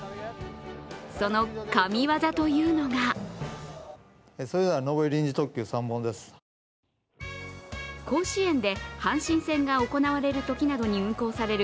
その神業というのが甲子園で阪神戦が行われるときなどに運行される